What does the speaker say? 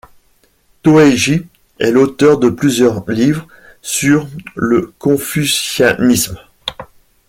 Toegye est l'auteur de plusieurs livres sur le confucianisme.